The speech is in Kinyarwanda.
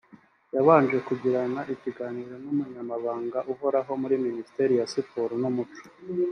yabanje kugirana ikiganiro n’umunyamabanga uhoraho muri Ministeri ya Siporo n’umuco